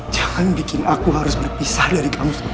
jangan bikin aku harus berpisah dari kamu sama cherry